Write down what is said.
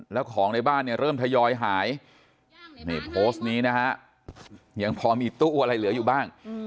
แล้วของในบ้านเนี่ยเริ่มทยอยหายนี่โพสต์นี้นะฮะยังพอมีตู้อะไรเหลืออยู่บ้าง